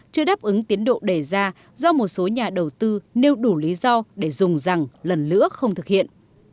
chưa đáp ứng tiến độ đề ra do một số nhà đầu tư nêu đủ lý do để dùng rằng lần nữa không thực hiện